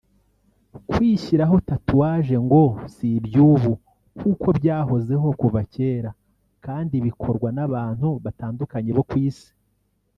Kwishyiraho “tatouage” ngo si iby’ubu kuko byahozeho kuva kera kandi bikorwa n’abantu batandukanye bo ku Isi